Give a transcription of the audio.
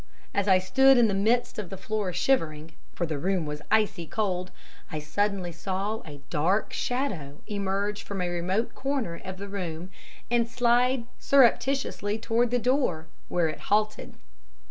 As I stood in the midst of the floor shivering for the room was icy cold, I suddenly saw a dark shadow emerge from a remote corner of the room and slide surreptitiously towards the door, where it halted.